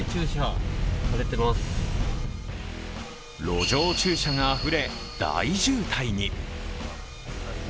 路上駐車があふれ、大渋滞に。